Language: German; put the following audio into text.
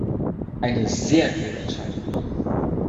Eine sehr kluge Entscheidung.